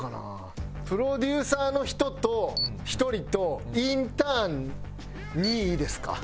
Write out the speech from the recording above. プロデューサーの人と１人とインターン２いいですか？